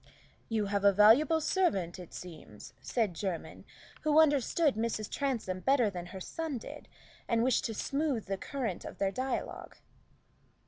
"You have a valuable servant, it seems," said Jermyn, who understood Mrs. Transome better than her son did, and wished to smoothen the current of their dialogue.